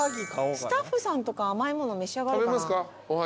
スタッフさんとか甘い物召し上がるかな？